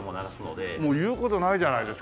もう言う事ないじゃないですか。